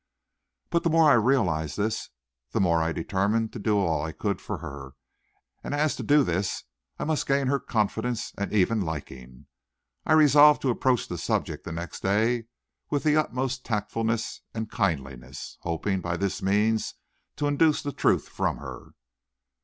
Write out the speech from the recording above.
But the more I realized this, the more I determined to do all I could for her, and as to do this, I must gain her confidence, and even liking, I resolved to approach the subject the next day with the utmost tactfulness and kindliness, hoping by this means to induce the truth from her.